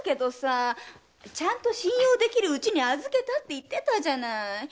ちゃんと信用できる家に預けたって言ってたじゃない。